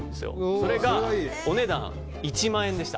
それがお値段１万円でした。